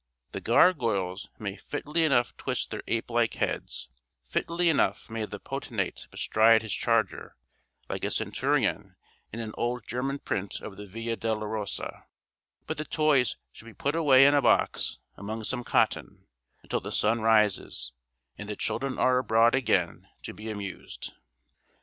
The gargoyles may fitly enough twist their ape like heads; fitly enough may the potentate bestride his charger, like a centurion in an old German print of the Via Dolorosa; but the toys should be put away in a box among some cotton, until the sun rises, and the children are abroad again to be amused.